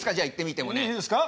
いいですか？